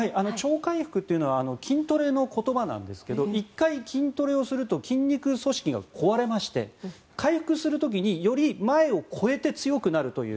超回復というのは筋トレの言葉なんですが１回筋トレをすると筋肉組織が壊れまして回復する時により前を超えて強くなるという。